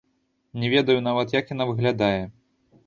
Не ведаю нават, як яна выглядае.